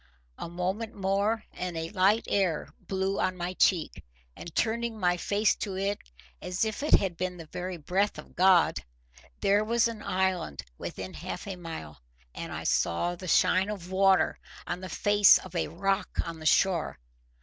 A moment more and a light air blew on my cheek, and, turning my face to it as if it had been the very breath of God, there was an island within half a mile, and I saw the shine of water on the face of a rock on the shore.